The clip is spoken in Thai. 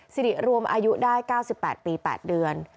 สิริรวมอายุได้๙๘ปี๘เดือน